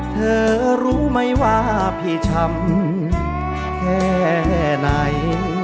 เธอรู้ไหมว่าพี่ช้ำแค่ไหน